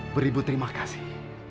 beribu terima kasih